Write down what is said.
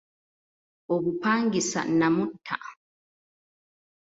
Obupangisa namutta.